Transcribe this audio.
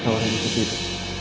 tawaran cikgu itu